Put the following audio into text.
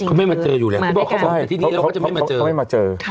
เกือบเข้ามาเจอ